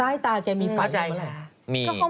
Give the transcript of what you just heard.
ต้ายตาก็ไม่ไหว